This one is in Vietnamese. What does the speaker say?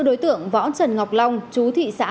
đối tượng võ trần ngọc long chú thị xã